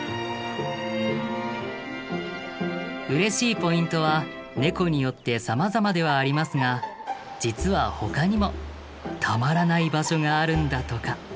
うれしいポイントはネコによってさまざまではありますが実はほかにもたまらない場所があるんだとか。